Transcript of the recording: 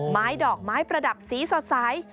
ไม้ดอกไม้ประดับสีสดใส